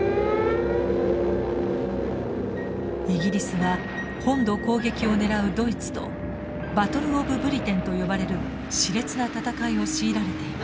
イギリスは本土攻撃を狙うドイツとバトル・オブ・ブリテンと呼ばれるしれつな戦いを強いられていました。